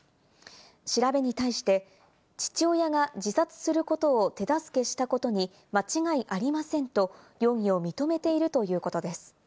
調べに対して、父親が自殺することを手助けしたことに間違いありませんと容疑を認めているということです。